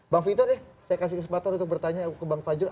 bang vito deh saya kasih kesempatan untuk bertanya ke bang fajrul